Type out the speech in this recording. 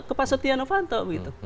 kepada setia novanto